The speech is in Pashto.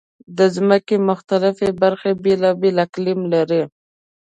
د ځمکې مختلفې برخې بېلابېل اقلیم لري.